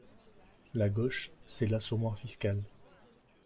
La gauche, c’est l’assommoir fiscal.